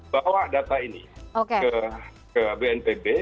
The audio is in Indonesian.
bawa data ini ke bnpb